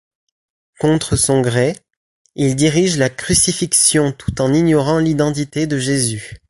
Contre son gré, il dirige la crucifixion tout en ignorant l'identité de Jésus.